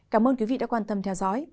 cảm ơn quý vị đã quan tâm theo dõi